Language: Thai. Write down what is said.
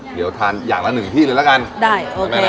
เดี๋ยวทานอย่างละหนึ่งที่เลยละกันได้